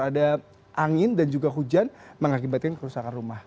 ada angin dan juga hujan mengakibatkan kerusakan rumah